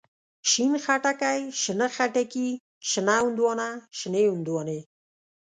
شين خټکی، شنه خټکي، شنه هندواڼه، شنې هندواڼی.